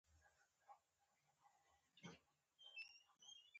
هرو مرو به سبا درځم.